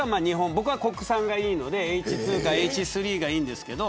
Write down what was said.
僕は国産がいいのでＨ２かＨ３がいいんですけど。